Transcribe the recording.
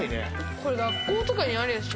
これ学校とかにあるでしょ。